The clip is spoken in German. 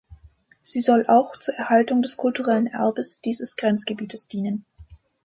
Sie soll auch zur Erhaltung des kulturellen Erbes dieses Grenzgebietes dienen.